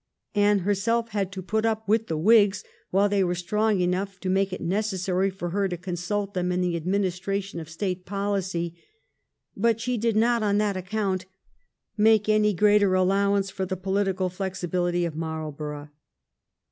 Anne herself had to put up with the Whigs while they were strong enough to make it necessary for her to consult them in the administration of State policy, but she did not on that account make any greater allowance for the pohtical flexibility of Marlborough.